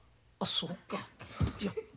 あそうか。